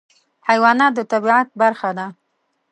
حیوانات د طبیعت برخه ده.